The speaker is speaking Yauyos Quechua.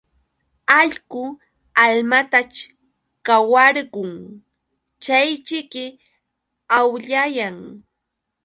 Allqu almataćh qawarqun chayćhiki awllayan.